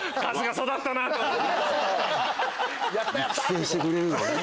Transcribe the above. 育成してくれるのね。